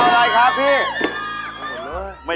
หม่อยจะปุ่ม